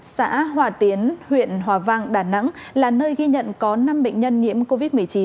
xã hòa tiến huyện hòa vang đà nẵng là nơi ghi nhận có năm bệnh nhân nhiễm covid một mươi chín